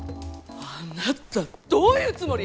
あなたどういうつもり？